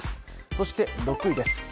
そして６位です。